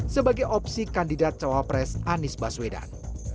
sebagai opsi kandidat cawa pres anies baswedan